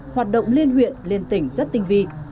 hoạt động liên huyện liên tỉnh rất tinh vị